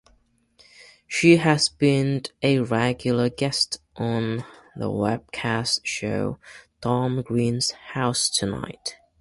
She has been a regular guest on the webcast show "Tom Green's House Tonight".